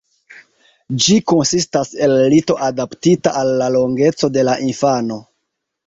Ĝi konsistas el lito adaptita al la longeco de la infano.